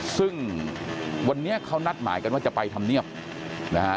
ซึ่งวันนี้เขานัดหมายกันว่าจะไปทำเนียบนะฮะ